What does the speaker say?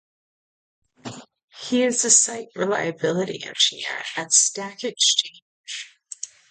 He is a Site Reliability Engineer at Stack Exchange.